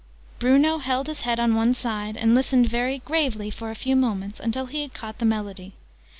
Bruno held his head on one side, and listened very gravely for a few moments until he had caught the melody.